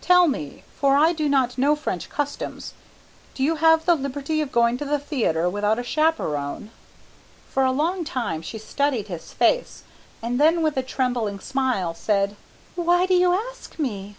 Tell me, for I do not know French customs, do you have the liberty of going to the theatre without a chaperone?" For a long time she studied his face, and then with a trembling smile said, "Why do you ask me?"